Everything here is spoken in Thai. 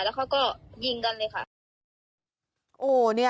แล้วเขาก็ยิงกันเลยค่ะ